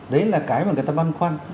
đấy là cái mà người ta băn khoăn